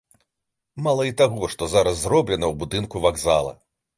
Мала і таго, што зараз зроблена ў будынку вакзала.